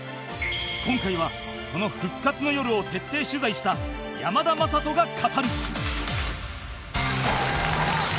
今回はその復活の夜を徹底取材した山田雅人が語る